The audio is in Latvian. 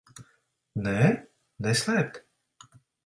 Nē? Neslēpt?